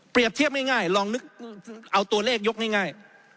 เปรียบเทียบง่ายลองเอาตัวเลขยกง่าย